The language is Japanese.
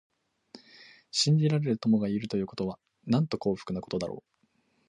信じられる友がいるということは、なんと幸福なことだろう。